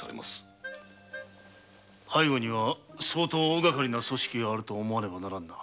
背後には相当大がかりな組織があると思わねばならんな。